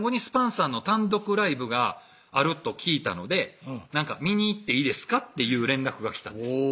さんの単独ライブがあると聞いたので見に行っていいですか？」っていう連絡が来たんです